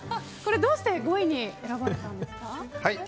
どうして５位に選ばれたんですか。